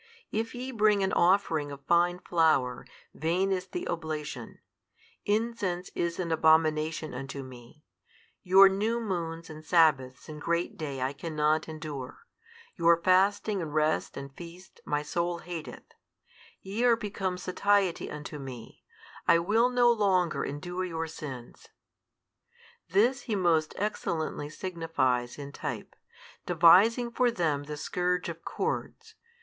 If ye bring an offering of fine flour, vain is the oblation, incense is an abomination unto Me; your new moons and sabbaths and great day I cannot endure, your fasting and rest and feasts My soul hateth: ye are become satiety unto Me, I will no longer endure your sins. This He most excellently signifies in type, devising for them the scourge of cords.